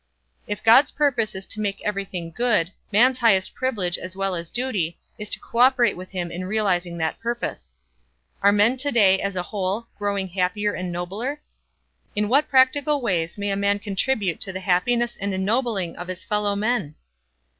If God's purpose is to make everything good, man's highest privilege, as well as duty, is to co operate with him in realizing that purpose. Are men to day as a whole growing happier and nobler? In what practical ways may a man contribute to the happiness and ennobling of his fellow men?